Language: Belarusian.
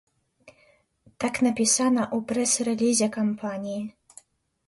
Так напісана ў прэс-рэлізе кампаніі.